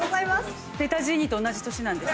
ペタジーニと同じ年なんです。